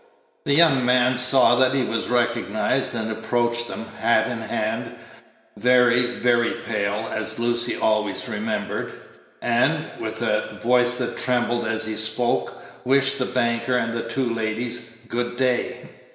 The young man saw that he was recognized, and approached them, hat in hand very, very pale, as Lucy always remembered and, with a voice that trembled as he spoke, wished the banker and the two ladies "Good day."